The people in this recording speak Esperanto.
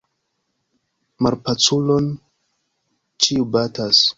Malpaculon ĉiu batas.